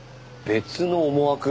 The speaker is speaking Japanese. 別の思惑？